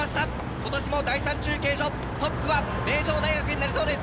今年も第３中継所、トップは名城大学になりそうです。